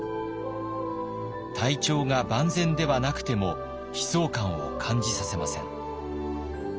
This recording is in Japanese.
体調が万全ではなくても悲壮感を感じさせません。